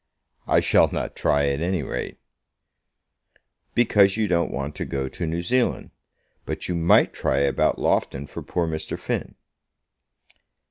"I shall not try, at any rate." "Because you don't want to go to New Zealand; but you might try about Loughton for poor Mr. Finn."